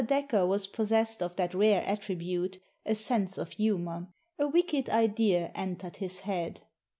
Dacre was possessed of that rare attribute, a sense of humour. A wicked idea entered his head.